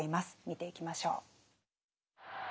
見ていきましょう。